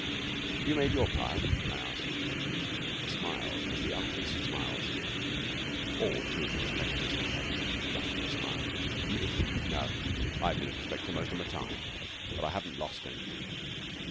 'Have you made your pile?' I asked. He smiled as the artist smiles all true prospectors have that lofty smile 'Me? No. I've been a prospector most o' my time, but I haven't lost anything.